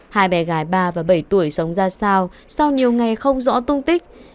hai bé gái ba và bảy tuổi sống ra sao sau nhiều ngày không rõ tung tích